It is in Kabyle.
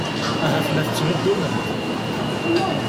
Ahat la tettnuddumemt.